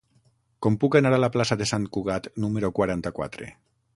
Com puc anar a la plaça de Sant Cugat número quaranta-quatre?